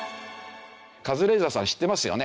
カズレーザーさん知ってますよね？